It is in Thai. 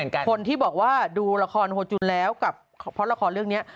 คนที่บอกว่าดูละครโฮจุนแล้วกับเพราะละครเรื่องนี้